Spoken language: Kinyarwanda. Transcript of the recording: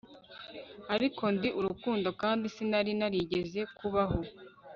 Ariko ndi Urukundo kandi sinari narigeze kubaho